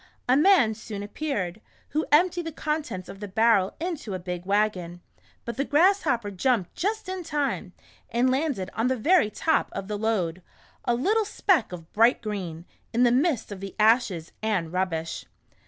A man soon appeared, who emptied the contents of the barrel into a big wagon, but the Grasshopper jumped just in time, and landed on the very top of the load — a little speck of bright green, in the midst of the ashes, and rubbish.